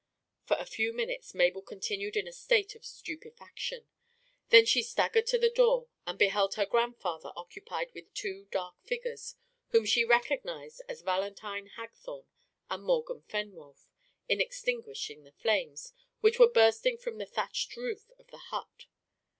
For a few minutes Mabel continued in a state of stupefaction. She then staggered to the door, and beheld her grandfather occupied with two dark figures, whom she recognised as Valentine Hagthorne and Morgan Fenwolf, in extinguishing the flames, which were bursting from the thatched roof of the hut.